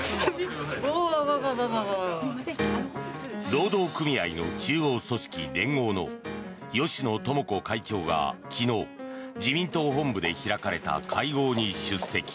労働組合の中央組織、連合の芳野友子会長が昨日自民党本部で開かれた会合に出席。